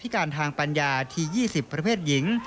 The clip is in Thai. การทางปัญญาที่๒๐ประเภทหญิง